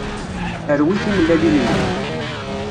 Rwi timellalin-nni.